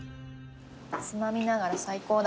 つまみながら最高だ。